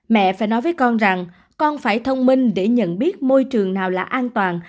mẹ phải nói với con rằng con phải thông minh để nhận biết môi trường nào là an toàn